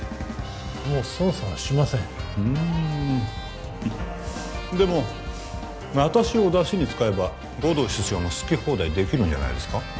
もう捜査はしませんうんでも私をだしに使えば護道室長も好き放題できるんじゃないですか？